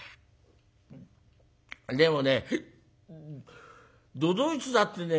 でもね都々逸だってね